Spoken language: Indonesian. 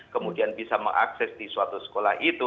kemudian bisa mengakses di suatu sekolah itu